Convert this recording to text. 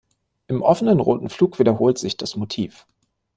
Im offenen roten Flug wiederholt sich das Motiv.